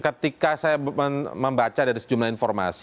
ketika saya membaca dari sejumlah informasi